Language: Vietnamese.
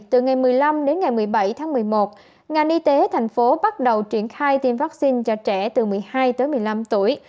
từ ngày một mươi năm đến ngày một mươi bảy tháng một mươi một ngành y tế thành phố bắt đầu triển khai tiêm vaccine cho trẻ từ một mươi hai tới một mươi năm tuổi